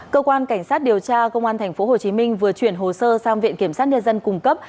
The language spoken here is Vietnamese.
cơ quan cảnh sát điều tra công an tp hcm vừa chuyển hồ sơ sang viện kiểm sát nhân dân cung cấp